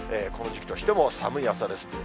この時期としても寒い朝です。